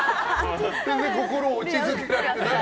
心を落ち着けられてない。